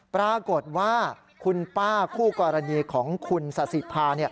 ปรากฏว่าคุณป้าคู่กรณีของคุณสาธิภา